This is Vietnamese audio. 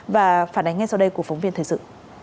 và phản ánh ngay sau đây của phóng viên thời sự